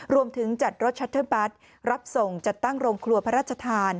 รวมถึงจัดรถชัตเตอร์บัตรรับส่งจัดตั้งโรงครัวพระราชทาน